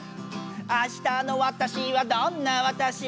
「あしたのわたしはどんなわたし？」